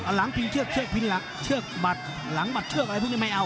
หลังพิงเชือกเชือกพิงหลักเชือกบัดหลังบัดเชือกอะไรพวกนี้ไม่เอา